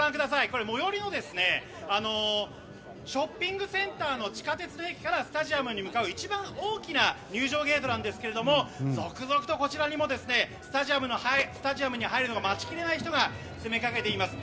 これは最寄りのショッピングセンターの地下鉄の駅からスタジアムに向かう一番大きな入場ゲートなんですが続々とこちらにもスタジアムに入るのを待ち切れない人が詰めかけています。